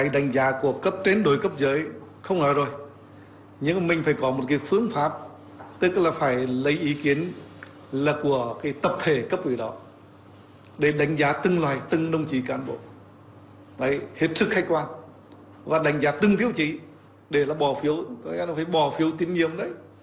để đánh giá từng loài từng đồng chí cán bộ hết sức khách quan và đánh giá từng tiêu chí để bỏ phiếu tín nhiệm đấy